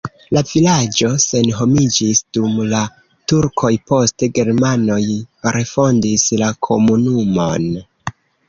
La vilaĝo senhomiĝis dum la turkoj, poste germanoj refondis la komunumon.